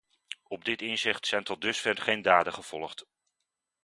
Op dit inzicht zijn tot dusver geen daden gevolgd.